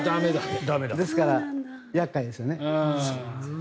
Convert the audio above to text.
ですから厄介ですよね。